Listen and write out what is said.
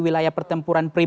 wilayah pertempuran primer